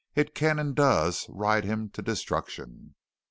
It can and does ride him to destruction.